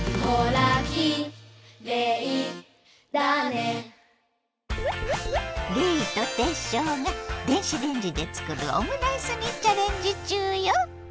レイとテッショウが電子レンジで作るオムライスにチャレンジ中よ！